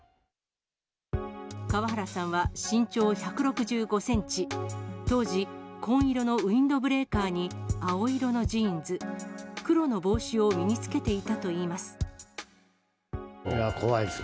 川原さんは身長１６５センチ、当時、紺色のウインドブレーカーに青色のジーンズ、黒の帽子を身につけていたといいます。